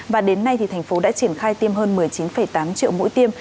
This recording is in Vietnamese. và đến nay thì thành phố đã triển khai tiêm hơn một mươi chín tám triệu mũi tiêm